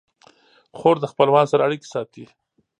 خور د خپلوانو سره اړیکې ساتي.